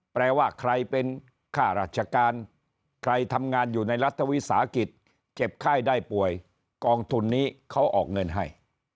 แปลว่าใครเป็นค่าราชการใครทำงานอยู่ในรัฐวิสาหกิจเจ็บไข้ได้ป่วยกองทุนนี้เขาออกเงินให้